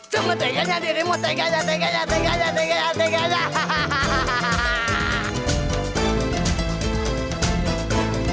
cuma teganya dirimu teganya teganya teganya